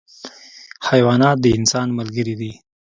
حیوانات د انسان ملګري دي.